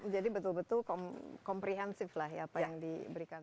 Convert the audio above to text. jadi betul betul komprehensif lah ya apa yang diberikan